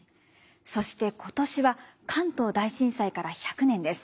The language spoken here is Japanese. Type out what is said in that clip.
そして今年は関東大震災から１００年です。